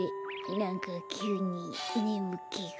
なんかきゅうにねむけが。